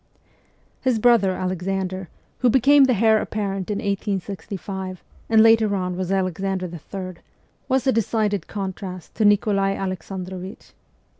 His brother, Alexander, who became the heir apparent in 1865, and later on was Alexander III., was a decided contrast to Nikolai Alexandrovich.